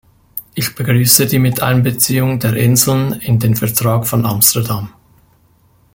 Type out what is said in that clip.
Ich begrüße die Miteinbeziehung der Inseln in den Vertrag von Amsterdam.